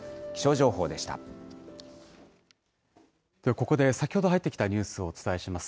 ここで先ほど入ってきたニュースをお伝えします。